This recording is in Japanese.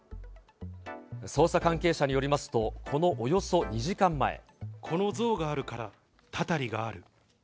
捜査関係者によりますと、この像があるからたたりがある。